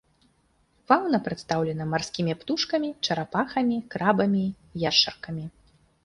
Фаўна прадстаўлена марскімі птушкамі, чарапахамі, крабамі, яшчаркамі.